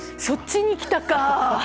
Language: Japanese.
そっちにきたか！